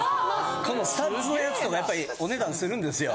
このスタッズのやつとかやっぱりお値段するんですよ。